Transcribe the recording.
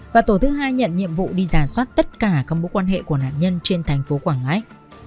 và tổ thứ hai nhận nhiệm vụ đi giả soát tất cả các mối quan hệ của nạn nhân trên thành phố quảng ngãi